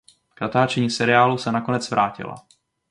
K natáčení seriálu se nakonec vrátila.